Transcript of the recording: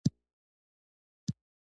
توکي د انسان لپاره مصرفي ارزښت لري.